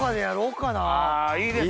あいいですね。